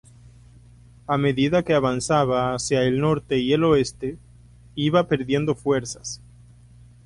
A medida que avanzaba hacia el Norte y el Oeste iba perdiendo fuerzas.